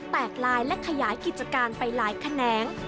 แตกลายและขยายกิจการไปหลายแขนง